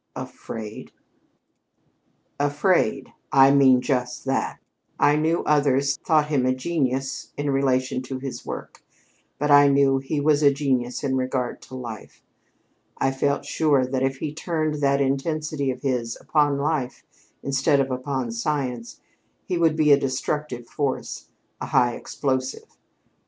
"Afraid?" "Afraid I mean just that. I knew others thought him a genius in relation to his work. But I knew he was a genius in regard to life. I felt sure that, if he turned that intensity of his upon life instead of upon science, he would be a destructive force a high explosive.